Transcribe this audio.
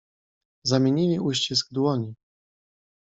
"Zamienili uścisk dłoni."